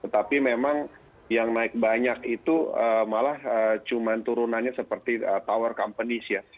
tapi memang yang naik banyak itu malah cuma turunannya seperti tower companies ya